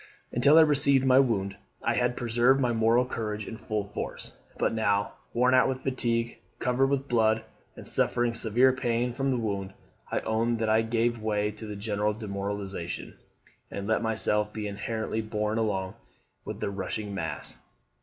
Until I received my wound I had preserved my moral courage in full force; but now, worn out with fatigue, covered with blood, and suffering severe pain from the wound, I own that I gave way to the general demoralisation, and let myself be inertly borne along with the rushing mass.